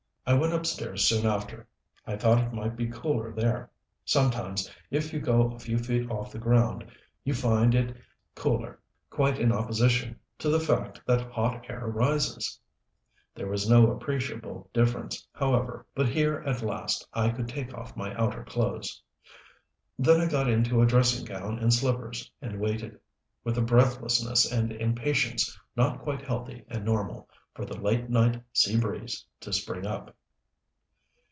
I went upstairs soon after. I thought it might be cooler there. Sometimes, if you go a few feet off the ground, you find it XXXX cooler quite in opposition to the fact that hot air rises. There was no appreciable difference, however; but here, at least, I could take off my outer clothes. Then I got into a dressing gown and slippers and waited, with a breathlessness and impatience not quite healthy and normal, for the late night sea breeze to spring up.